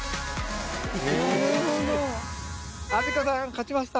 勝ちました